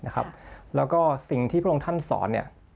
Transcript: แล้วก็สิ่งที่พระองค์ท่านสอนเนี่ย